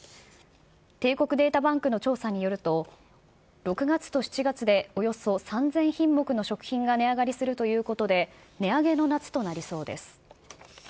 帝国データバンクの調査によると、６月と７月でおよそ３０００品目の食品が値上がりするということで、値上げの夏となりそうです。